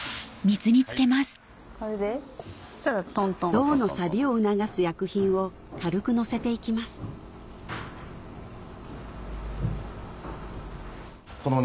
銅のサビを促す薬品を軽くのせていきますそうですね。